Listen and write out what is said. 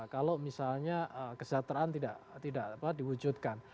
kalau misalnya kesejahteraan tidak diwujudkan